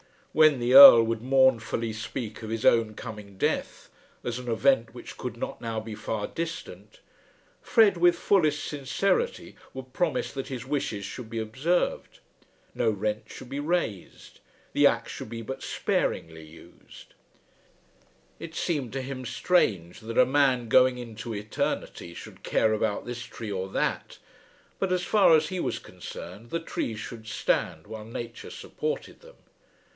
When the Earl would mournfully speak of his own coming death, as an event which could not now be far distant, Fred with fullest sincerity would promise that his wishes should be observed. No rents should be raised. The axe should be but sparingly used. It seemed to him strange that a man going into eternity should care about this tree or that; but as far as he was concerned the trees should stand while Nature supported them.